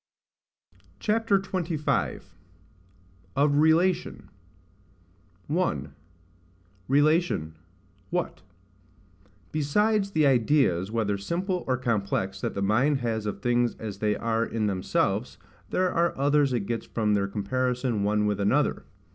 CHAPTER XXV. OF RELATION. 1. Relation, what. BESIDES the ideas, whether simple or complex, that the mind has of things as they are in themselves, there are others it gets from their comparison one with another.